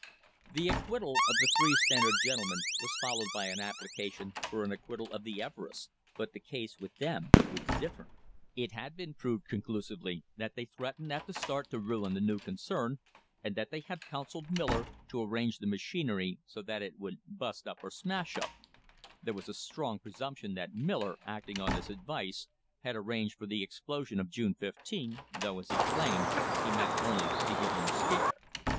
The acquittal of the three Standard gentlemen was followed by an application for the acquittal of the Everests, but the case with them was different. It had been proved conclusively that they threatened at the start to ruin the new concern, and that they had counselled Miller "to arrange the machinery so it would bust up or smash up" ; there was a strong presump tion that Miller, acting on this advice, had arranged for the explosion of June 15, though, as he claimed, he meant only to "give them a scare."